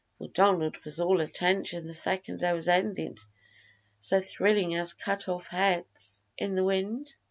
for Donald was all attention the second there was anything so thrilling as cut off heads in the wind.